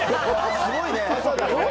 すごいね。